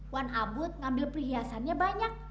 wanabut ngambil perhiasannya banyak